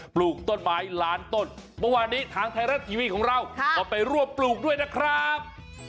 ปลูกต้นไม้ล้านต้นเมื่อวานนี้ทางไทยรัฐทีวีของเราก็ไปร่วมปลูกด้วยนะครับ